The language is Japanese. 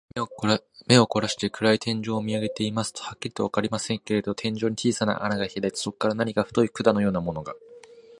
目をこらして、暗い天井を見あげていますと、はっきりとはわかりませんけれど、天井に小さな穴がひらいて、そこから何か太い管のようなものが、